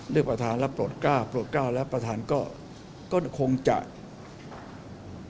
เลือกประธานแล้วปลดก้าวแล้วประธานก็คงจะเป็นใครสุดท้าย